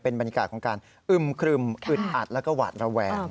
บรรยากาศของการอึมครึมอึดอัดแล้วก็หวาดระแวง